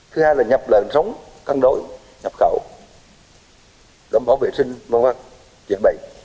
thứ hai là nhập lợn sống căn đối nhập khẩu đảm bảo vệ sinh mong văn chữa bệnh